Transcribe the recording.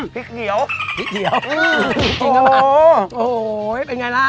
พริกเหยียวพริกเหยียวอืมโอ้โหโอ้โหเป็นไงล่ะ